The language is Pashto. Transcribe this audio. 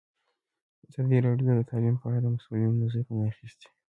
ازادي راډیو د تعلیم په اړه د مسؤلینو نظرونه اخیستي.